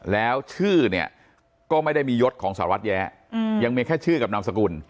แล้วชื่อเนี่ยก็ไม่ได้มียศของสหรัฐแย้ยังมีแค่ชื่อกับนามสกุล